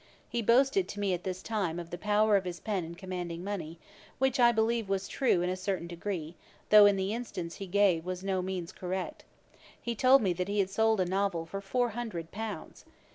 He boasted to me at this time of the power of his pen in commanding money, which I believe was true in a certain degree, though in the instance he gave he was by no means correct. He told me that he had sold a novel for four hundred pounds.